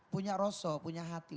punya rosoh punya hati